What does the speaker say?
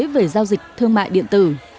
về giao dịch thương mại điện tử